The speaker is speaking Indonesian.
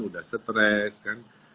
udah bosen udah stress kan